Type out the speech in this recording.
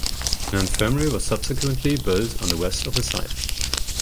An infirmary was subsequently built on the west of the site.